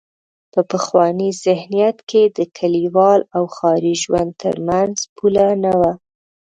په پخواني ذهنیت کې د کلیوال او ښاري ژوند تر منځ پوله نه وه.